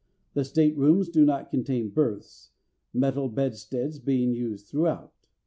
The staterooms do not contain berths, metal bedsteads being used throughout.